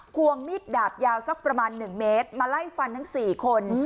วงมีดดาบยาวสักประมาณ๑เมตรมาไล่ฟันทั้ง๔คน